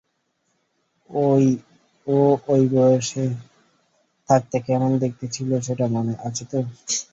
ও অই বয়সে থাকতে কেমন দেখতে ছিল সেটা মনে আছে তো?